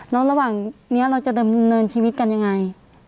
แล้วระหว่างนี้เราจะดำเนินชีวิตกันยังไง